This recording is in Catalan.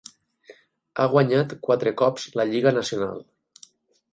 Ha guanyat quatre cops la lliga nacional.